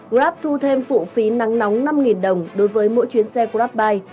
grab thu thêm phụ phí nắng nóng năm đồng đối với mỗi chuyến xe grabbuy